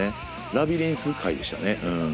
ラビリンス回でしたね。